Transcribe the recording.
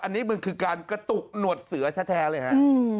อันนี้มันคือการกระตุกหนวดเสือแท้เลยฮะ